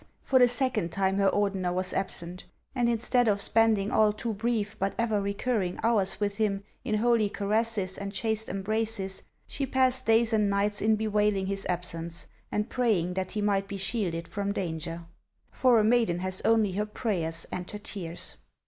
for the second time her Ordener was absent ; and instead of spending all too brief but ever recurring hours with him in holy caresses and chaste embraces, she passed days and nights in bewailing his absence, and pray ing that he might be shielded from danger. For a maiden has only her prayers and her tears.